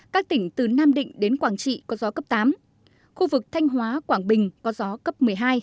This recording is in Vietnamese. các tỉnh từ nam định đến quảng trị có gió cấp tám khu vực thanh hóa quảng bình có gió cấp một mươi hai